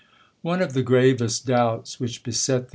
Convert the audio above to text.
~\NE of the gi avest doubts which beset the 1861.